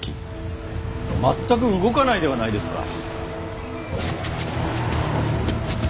全く動かないではないですか。